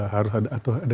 keharusan ya ada